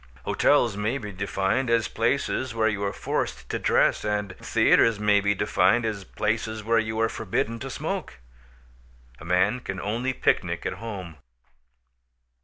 Hotels may be defined as places where you are forced to dress; and theaters may be defined as places where you are forbidden to smoke. A man can only picnic at home.